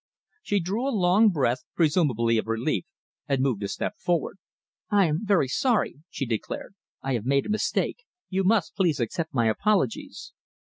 She drew a long breath, presumably of relief, and moved a step forward. "I am very sorry!" she declared. "I have made a mistake. You must please accept my apologies."